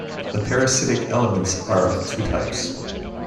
The parasitic elements are of two types.